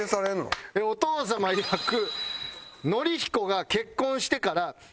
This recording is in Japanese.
お父様いわく。